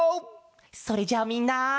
それじゃあみんな。